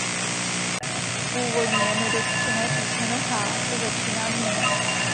Původně nedotčené písmeno „H“ se začíná měnit.